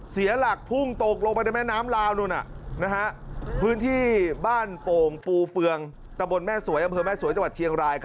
เสียหลักพุ่งตกลงไปในแม่น้ำลาวนู่นพื้นที่บ้านโป่งปูเฟืองตะบนแม่สวยอำเภอแม่สวยจังหวัดเชียงราย